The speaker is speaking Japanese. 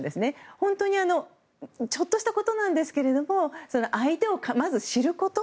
本当にちょっとしたことですが相手をまず知ること。